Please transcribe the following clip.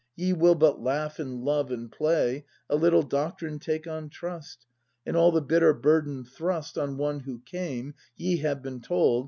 Ye will but laugh and love and play, A little doctrine take on trust. And all the bitter burden thrust On One who came, ye have been told.